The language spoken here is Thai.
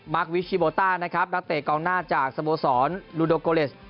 มาร์ควิชชีโบต้านักเตะกองหน้าจากสโมสรลูโดโกเลส